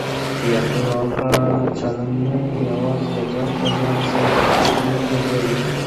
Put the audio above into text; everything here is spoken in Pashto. بې اخلاقه چلند نه یوازې ځان ته زیان رسوي بلکه ټولنه ګډوډوي.